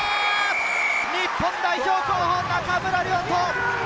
日本代表候補、中村亮土！